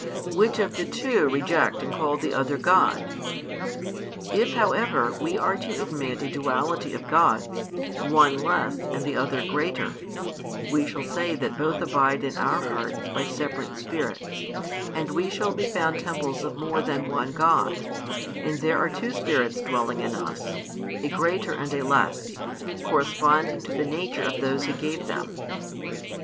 Which of the two reject and call the other God? If, however, we are to admit a duality of Gods, one less and the other greater, we shall say that both abide in our hearts by separate Spirits, and we shall be found temples of more than one God, and there are two Spirits dwelling in us, a greater and a less, |356 corresponding to the nature of those who gave them.